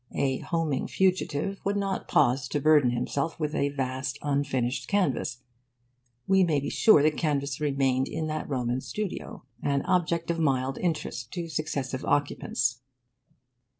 A homing fugitive would not pause to burden himself with a vast unfinished canvas. We may be sure the canvas remained in that Roman studio an object of mild interest to successive occupants.